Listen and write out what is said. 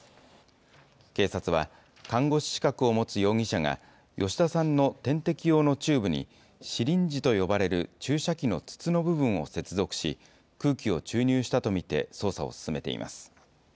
警察は、看護師資格を持つ容疑者が、吉田さんの点滴用のチューブに、シリンジと呼ばれる注射器の筒の部分を接続し、空気を注入したと見て捜査を進めています。